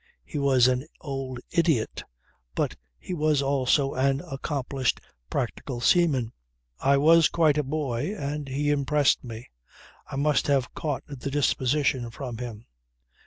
He was an old idiot but he was also an accomplished practical seaman. I was quite a boy and he impressed me. I must have caught the disposition from him."